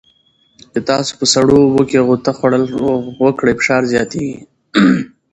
که تاسو په سړو اوبو کې غوطه خوړل وکړئ، فشار زیاتېږي.